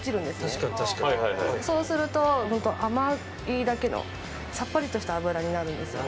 確かに確かにそうするとホント甘いだけのさっぱりとした脂になるんですよ